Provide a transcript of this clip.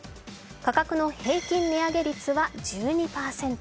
価格の平均値上げ率は１２％。